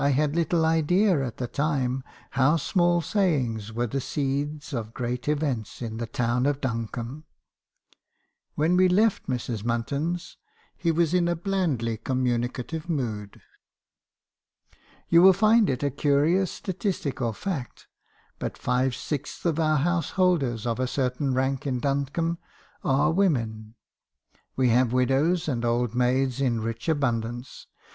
had little idea at the time how small sayings were the seeds of great events in the town of Duncombe. When we left Mrs. Munton's he was in a blandly communicative mood. " 4 You will find it a curious statistical fact, but five sixths of our householders of a certain rank in Duncombe are women. We have widows and old maids in rich abundance.